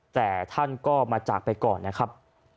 แต่ท่านก็มาจากไปก่อนนะครับ